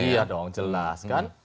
iya dong jelas kan